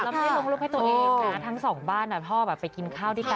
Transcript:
เราไม่ลงรูปให้ตัวเองนะคะทั้งสองบ้านพ่อไปกินข้าวด้วยกัน